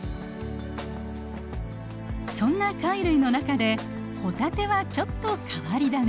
そんな貝類の中でホタテはちょっと変わり種。